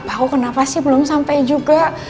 lepas aku kenapa sih belum sampai juga